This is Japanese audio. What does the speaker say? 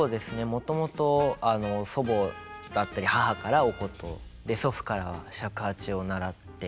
もともと祖母だったり母からお箏を祖父からは尺八を習って。